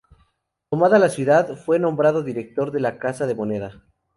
Tomada la ciudad, fue nombrado director de la Casa de Moneda.